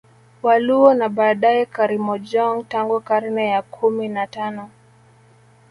Waluo na baadae Karimojong tangu karne ya kumi na tano